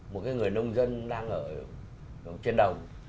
một người nông dân đang ở trên đầu